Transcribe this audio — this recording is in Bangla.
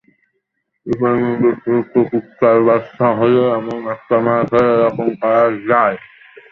কী পরিমাণ বিকৃতমনস্ক কুত্তার বাচ্চা হলে একটা মানুষের সাথে এরকম করা যায়?